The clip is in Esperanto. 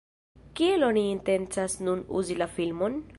Kiel oni intencas nun uzi la filmon?